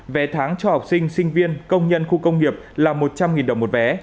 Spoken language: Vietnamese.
vé tháng cho học sinh sinh viên công nhân khu công nghiệp là một trăm linh đồng một vé